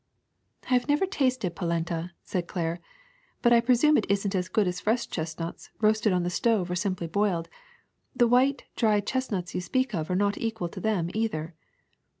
'^ ^^I have never tasted polenta," said Claire, but I presume it is n't as good as fresh chestnuts roasted on the stove or simply boiled. The white, dry chest nuts you speak of are not equal to them, either.''